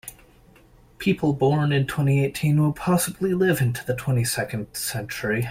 People born in twenty-eighteen will possibly live into the twenty-second century.